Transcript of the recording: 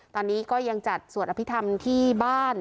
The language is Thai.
ตอนนี้ก็ยังจัดสวรรค์อภิตธรรมในบ้าน